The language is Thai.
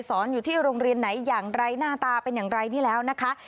อยู่ที่โรงเรียนไหนอย่างไรหน้าตาเป็นอย่างไรนี่แล้วนะคะ